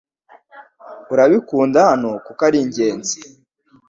Urabikunda hano kuko ari ingenzi